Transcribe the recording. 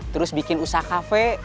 terus bikin usaha kafe